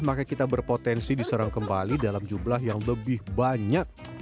maka kita berpotensi diserang kembali dalam jumlah yang lebih banyak